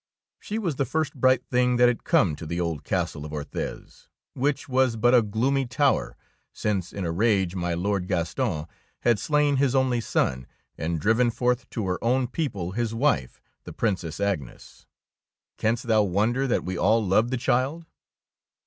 She was the first bright thing that had come to the old castle of Orthez, which was but a gloomy tower since in a rage my Lord Gaston had slain his only son, and driven forth to her 4 THE ROBE OF THE DUCHESS own people his wife, the Princess Agnes. Canst thou wonder that we all loved the child?